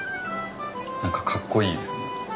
何かかっこいいですよね。